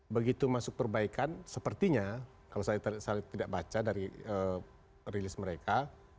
begitu masuk perbaikan sepertinya kalau saya tidak baca dari rilis mereka